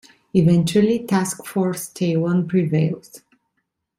Eventually, Task Force Talon prevails.